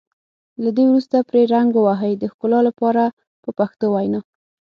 له دې وروسته پرې رنګ ووهئ د ښکلا لپاره په پښتو وینا.